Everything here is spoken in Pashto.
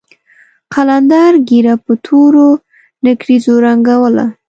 قلندر ږيره په تورو نېکريزو رنګوله.